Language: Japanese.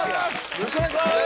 よろしくお願いします